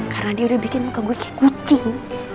karena dia udah bikin muka gue kayak kucing